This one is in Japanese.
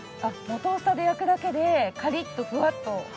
トースターで焼くだけでカリッとフワッとしてて。